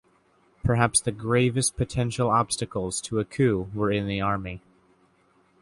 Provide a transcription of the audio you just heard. Perhaps the gravest potential obstacles to a coup were in the army.